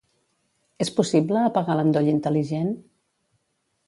És possible apagar l'endoll intel·ligent?